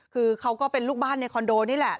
คือเขาก็เป็นลูกบ้านในคอนโดนี่แหละ